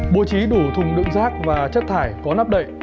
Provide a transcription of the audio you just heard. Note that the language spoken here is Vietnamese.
bố trí đủ thùng đựng rác và chất thải có nắp đậy